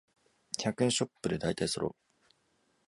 百円ショップでだいたいそろう